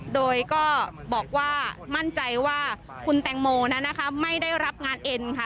โดยก็บอกว่ามั่นใจว่าคุณแตงโมนั้นนะคะไม่ได้รับงานเอ็นค่ะ